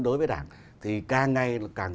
đối với đảng thì càng ngày càng